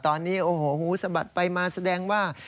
ตอนนี้โอ้โหสะบัดไปมาแสดงว่า